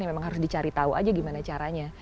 yang memang harus dicari tahu aja gimana caranya